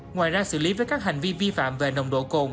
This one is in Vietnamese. ngoài ra xử lý với các hành vi vi phạm về nồng độ cồn